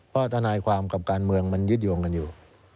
เพราะทนายความกับการเมืองมันยึดโยงกันอยู่